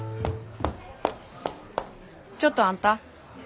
ちょっとあんた。